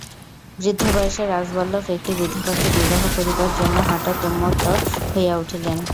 বৃদ্ধ বয়সে রাজবল্লভ একটি বিধবাকে বিবাহ করিবার জন্য হঠাৎ উন্মত্ত হইয়া উঠিলেন।